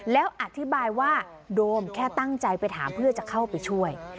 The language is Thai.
แล้วอธิบายว่าโดมแค่ตั้งใจไปถามเพื่อจะเข้าไปช่วย